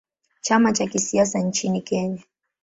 Chama cha kisiasa nchini Kenya.